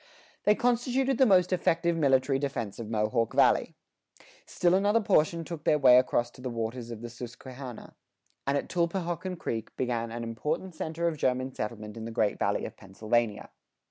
They constituted the most effective military defense of Mohawk Valley. Still another portion took their way across to the waters of the Susquehanna, and at Tulpehockon Creek began an important center of German settlement in the Great Valley of Pennsylvania.